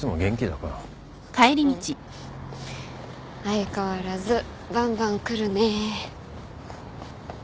相変わらずバンバンくるね。